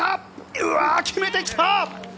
うわぁ決めてきた！